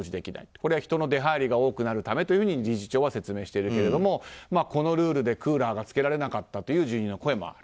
これは人の出入りが多くなるためと理事長は説明しているけれどもこのルールでクーラーがつけられなかったという住人の声も。